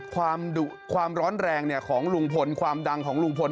ความร้อนแรงของลุงพลความดังของลุงพล